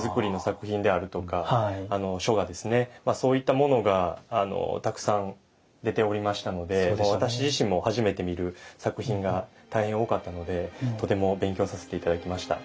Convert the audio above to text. そういったものがたくさん出ておりましたので私自身も初めて見る作品が大変多かったのでとても勉強させて頂きました。